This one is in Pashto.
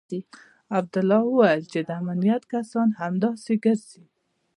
عبدالله وويل چې د امنيت کسان همداسې ګرځي.